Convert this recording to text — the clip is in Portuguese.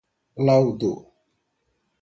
laudo